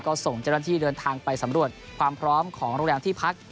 ก็ส่งเจ้าหน้าที่เดินทางไปสำรวจความพร้อมของโรงแรมที่พัก